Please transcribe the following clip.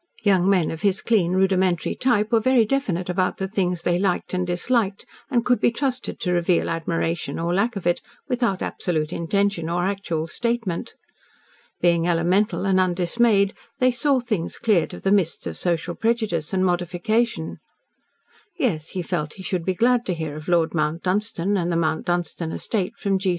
Young men of his clean, rudimentary type were very definite about the things they liked and disliked, and could be trusted to reveal admiration, or lack of it, without absolute intention or actual statement. Being elemental and undismayed, they saw things cleared of the mists of social prejudice and modification. Yes, he felt he should be glad to hear of Lord Mount Dunstan and the Mount Dunstan estate from G.